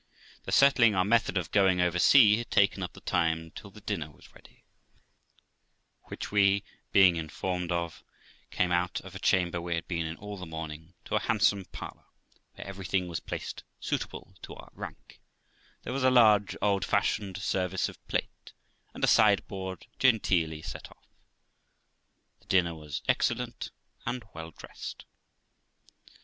The settling our method of going over sea had taken up the time till the dinner was ready, which we being informed of, came out of a chamber we had been in all the morning, to a handsome parlour, where everything was placed suitable to our rank; there was a large, old fashioned service of plate, and a sideboard genteelly set off. The dinner was excellent, and well dressed.